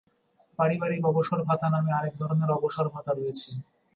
পারিবারিক অবসরভাতা নামে আরেক ধরনের অবসরভাতা রয়েছে।